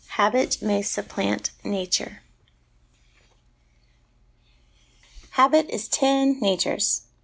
HABIT MAY SUPPLANT 'NATURE' ' Habit is ten natures.'